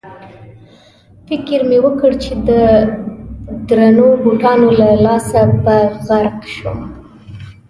فکر مې وکړ چې د درنو بوټانو له لاسه به غرق شم.